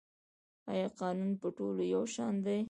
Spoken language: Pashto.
آیا قانون په ټولو یو شان دی؟